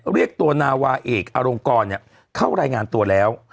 เรียกตัวนาวาเอกอลงกรเข้ารายงานตัวแล้ว